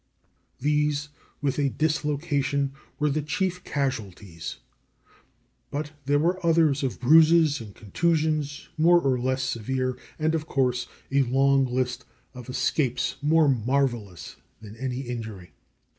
These, with a dislocation, were the chief casualties, but there were others of bruises and contusions, more or less severe, and, of course, a long list of escapes more marvelous than any injury.